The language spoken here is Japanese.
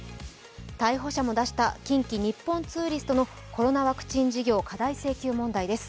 逮捕者も出した近畿日本ツーリストのコロナワクチン事業過大請求問題です。